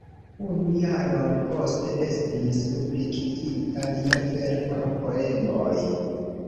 Unu jaron poste estis publikigita lia verko "Poemoj.